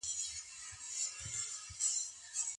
څنګه ځايي بڼوال قیمتي ډبرې ترکیې ته لیږدوي؟